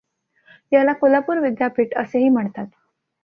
याला कोल्हापूर विद्यापीठ असेही म्हणतात.